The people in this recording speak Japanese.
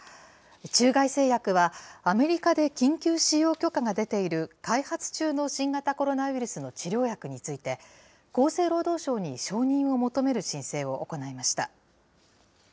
中外製薬は、アメリカで緊急使用許可が出ている開発中の新型コロナウイルスの治療薬について、厚生労働省に承認を求める申請を行いました。